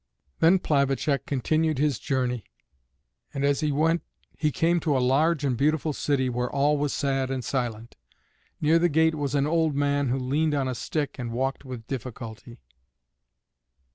Then Plavacek continued his journey, and as he went he came to a large and beautiful city where all was sad and silent. Near the gate was an old man who leaned on a stick and walked with difficulty.